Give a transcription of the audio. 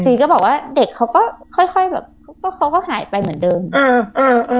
ก็บอกว่าเด็กเขาก็ค่อยค่อยแบบเขาก็เขาก็หายไปเหมือนเดิมอ่าอ่า